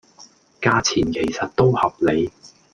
價錢其實都合理